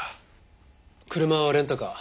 車はレンタカー。